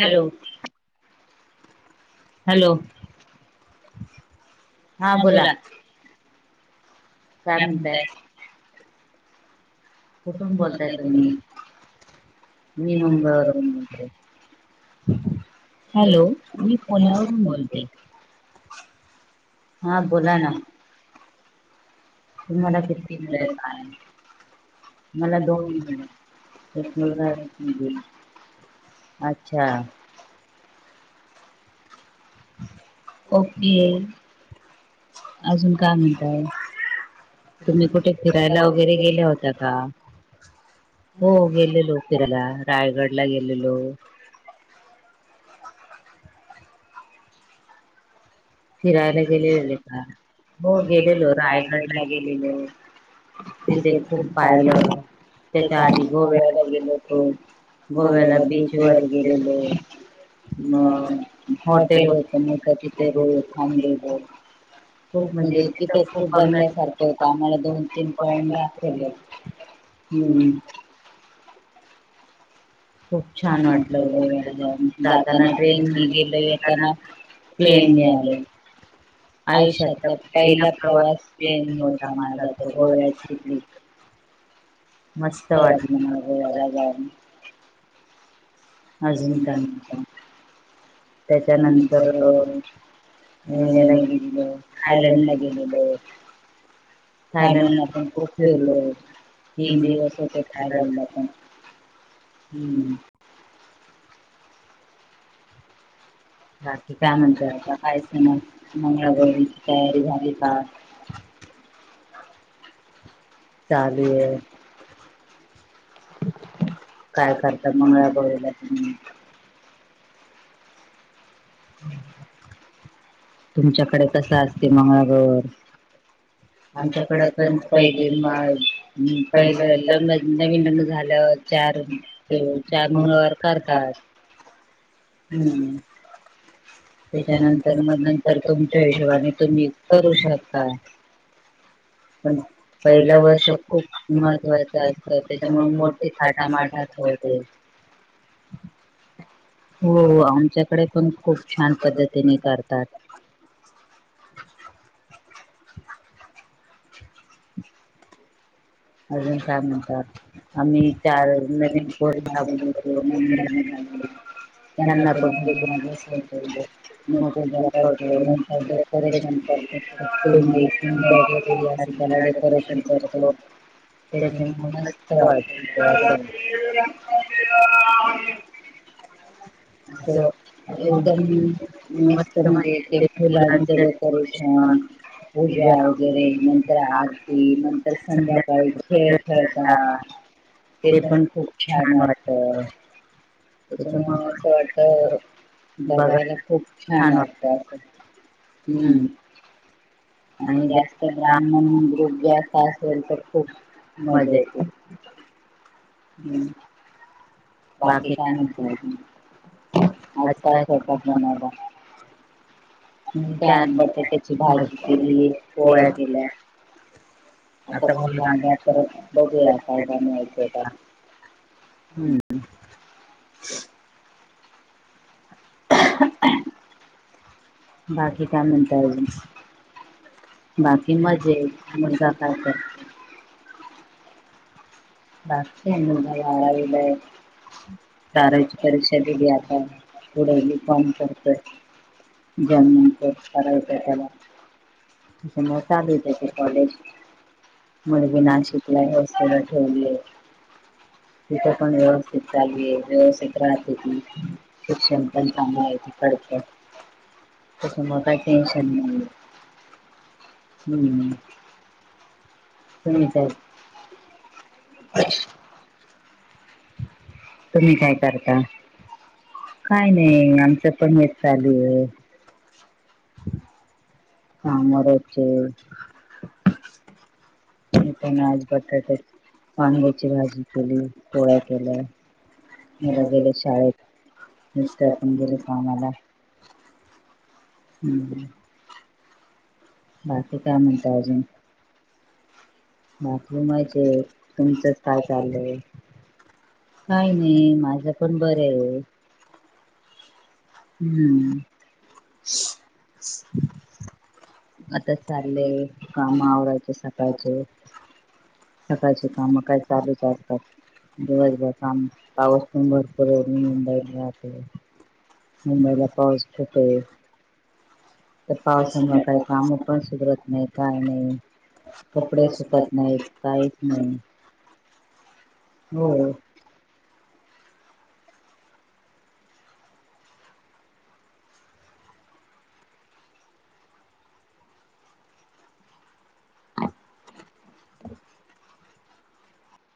Hello, hello, हा बोला. काय म्हणताय. कुठून बोलताय तुम्ही? मी मुंबईवरून. [unintelligible] हॅलो. मी पुण्यावरून बोलते. हा बोला ना. तुम्हाला किती मुले आहे काय? मला दोन एक मुलगा एके मुलगी. अच्छा. [unintelligible] ओके. अजून काय म्हणताय? तुम्ही कुठे फिरायला वगैरे गेल्या होत्या का? हो गेलेलो. फिरायला? रायगड ला गेलेलो. फिरायला गेलेले का? हो गेलेलो रायगडला गेलेलो. क्रिकेट खूप पाहायला त्याचा अनुभव घ्यायला गेलेलो. हो गोव्याला बीच वर गेलेलो. अ हॉटेल, पन्नपाची करून आम्ही दोघं खूप म्हणजे तिथं खूप बघण्यासारखं होतं. आम्हाला दोन तीन जॉईन लागत्यातच. हम्मम. छान वाटलं. जाताना ट्रेनने गेलो येताना, प्लेन ने आलो. आयुष्यातला पहिला प्रवास प्लेन ने होता माझा गोव्याततुन इथवर. मस्त वाटलं मला गोव्याला जाऊन. अजून कोणत? त्यानंतर इंग्लंड ला गेलेलं, थायलडला गेलेलं. नाहीतर थायलंडला पण खूप फिरलोय, तीन दिवस होते थायलंडला पण हू म्म. काय म्हणता? आता काय सना मंगळागौरीची तयारी झाली का? चालू ये. घराकड म्हणे तु बला तुम्ही. ह [inaudible] तुमच्याकडे कसं असते मंगळागौर? आमच्याकडे पण पहिलीन माळ पहिलं. लग् नवीन लग्न झाल्यावर चार ते चार मंगळवार करतात हू. त्याच्यानंतर मग नंतर तुमच्या हिशोबाने तुम्ही करू शकता. पहिलं वर्ष खूप महत्वाचं असते, त्याच्यामुळे मोठे ते थाटा माटात होवू दे. हो हो, आमच्याकडे पण खूप छान पद्धतीने करतात. ह [inaudible] आणि काय म्हणताय? [unintelligible] त्यांना [unintelligible] माझच कोण तरी म पूजा करते, नंतर डेकोरेशन करते. [unintelligible] अस पहिला डेकोरेशन करतो. त्याच्याने मग [unintelligible] असं एकदम मस्त म्हणजे ते फुलांच डेको रेशन, पूजा वगैरे नंतर आरती, नंत तर संध्याकाळी खेळ खेळतात. ते पण खूप छान वाटत. तेच्यामुळे असं वाटत. बघायला खूप छान वाटत असं. हू म. आणि जास्त ब्राह्मण ग्रुप जास्त असेल, तर खूप मजा येते. हूम. बाकी काय म्हणताय आजुन? आज काय स्वयंपाक बनवला? ह [inaudible] काय बटाट्याची भाजी केलि. पोळ्या केल्या. आता मग [unintelligible] आता बघूया काय गाणी ऐकू येतात. हू. बाकी काय म्हणताय अजून? बाकी मजेत [unintelligible] [unintelligible] बारावीची परीक्षा दिली आता. पुढ बी. कॉम करतोय. जर नंतर करायचंय त्याला. सांगितले ते कॉलेज [unintelligible] नाही अ सरा ठेवलीये. तिथ पण व्यवस्थित चाललीये, व्यवस्थित राहते ती. शिक्षण पण चांगल आहे. खरतर मला टेन्शन नाहीये. हू म्म. हो का? तुम्ही काय करता? काय नाही आमचं पण मेस चालू ये. कामं रोजचे मी पण आज बटाट, वांग्याची भाजी केली, पोळ्या केल्या. मुल गेले शाळेत, मिस्टर पण गेले कामाला. हम्म. बाकी काय म्हणताय, अजून? बाकी मजेत, तुमचंच काय चालंय? काही नही, माझं पण बरं य. हम्म. आता चालय, काम आवरायचे, सकाळच. सकाळचे काम काय, चालूच आसतात. दिवसभर काम, पाऊस पण भरपूर येल, मुंबईत राहते. मुंबईला पाऊस खूप ये. त्या पावसामुळ काही काम पण सुधरत नाही, काय नही. कपडे सूकत नाहीत, काहीच नाही, हो. [inaudible]